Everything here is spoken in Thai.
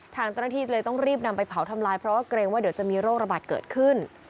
ทางเจ้าหน้าที่เลยต้องรีบนำไปเผาทำลายเพราะว่าเกรงว่าเดี๋ยวจะมีโรคระบาดเกิดขึ้น